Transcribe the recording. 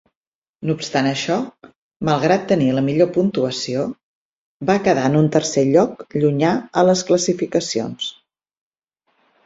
No obstant això, malgrat tenir la millor puntuació, va quedar en un tercer lloc llunyà a les classificacions.